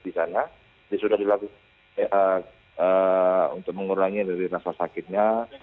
di sana ini sudah dilakukan untuk mengurangi dari rasa sakitnya